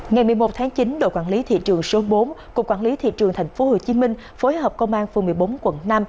ngày một mươi một tháng chín đội quản lý thị trường số bốn cục quản lý thị trường tp hcm phối hợp công an phường một mươi bốn quận năm